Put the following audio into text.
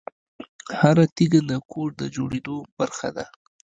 هره تیږه د کور د جوړېدو برخه ده.